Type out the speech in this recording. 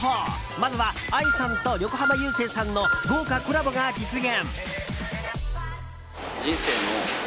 まずは、ＡＩさんと横浜流星さんの豪華コラボが実現。